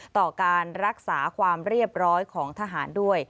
ต่อการรักษาความเรียบร้อยของทหารด้วย